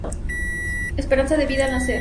Esperanza de vida al nacer.